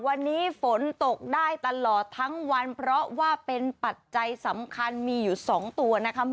วันนี้ฝนตกได้ตลอดทั้งวันเพราะว่าเป็นปัจจัยสำคัญมีอยู่๒ตัวนะคะ